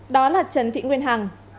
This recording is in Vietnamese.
đó là trần thị nguyên hằng